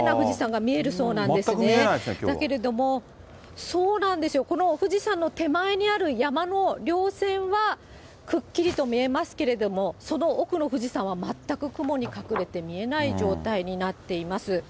全く見えないですね、そうなんですよ、この富士山の手前にある山の稜線はくっきりと見えますけれども、その奥の富士山は全く雲に隠れて見えない状態になっています。